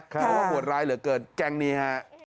เพราะว่าโหดร้ายเหลือเกินแก๊งนี้ฮะ